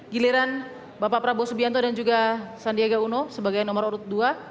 giliran bapak prabowo subianto dan juga sandiaga uno sebagai nomor urut dua